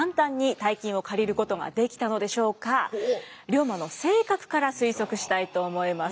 龍馬の性格から推測したいと思います。